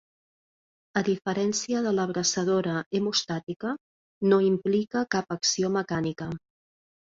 A diferència de l'abraçadora hemostàtica, no implica cap acció mecànica.